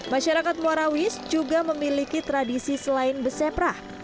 masyarakat muarawis juga memiliki tradisi selain beseprah